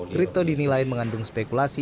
kripto dinilai mengandung spekulasi